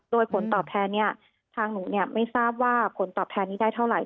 โดยผลตอบแทนเนี่ยทางหนูไม่ทราบว่าผลตอบแทนนี้ได้เท่าไหร